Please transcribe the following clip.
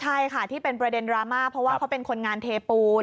ใช่ค่ะที่เป็นประเด็นดราม่าเพราะว่าเขาเป็นคนงานเทปูน